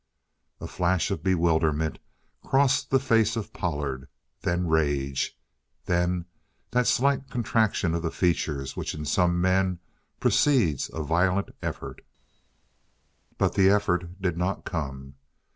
A flash of bewilderment crossed the face of Pollard then rage then that slight contraction of the features which in some men precedes a violent effort. But the effort did not come.